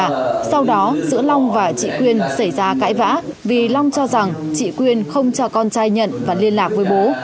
sau đó giữa long và chị quyên xảy ra cãi vã vì long cho rằng chị quyên không cho con trai nhận và liên lạc với bố